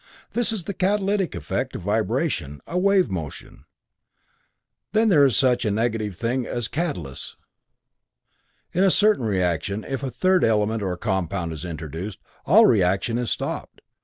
This is the catalytic effect of a vibration, a wave motion. Then there is such a thing as negative catalysis. In a certain reaction, if a third element or compound is introduced, all reaction is stopped.